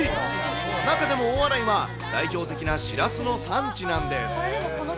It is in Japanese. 中でも大洗は代表的なシラスの産地なんです。